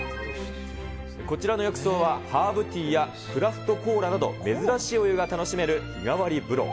こちらの浴槽は、ハーブティーやクラフトコーラなど、珍しいお湯が楽しめる日替わり風呂。